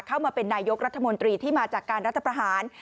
เข้ามาเป็นนายกรัฐมนตรีที่มาจากการรัฐประหาร